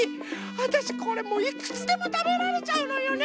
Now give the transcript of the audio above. わたしこれもういくつでもたべられちゃうのよね。